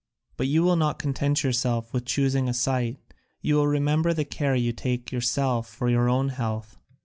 But you will not content yourself with choosing a site, you will remember the care you take yourself for your own health."